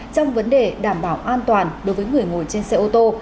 trong vấn đề đảm bảo an toàn đối với người ngồi trên xe ô tô